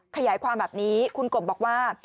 ขยายความแบบนี้คุณกบบอกว่า